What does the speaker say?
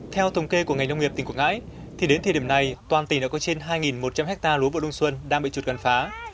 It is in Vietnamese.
theo thống kê của ngành nông nghiệp tỉnh quảng ngãi thì đến thời điểm này toàn tỉnh đã có trên hai một trăm linh hectare lúa vụ đông xuân đang bị chuột gắn phá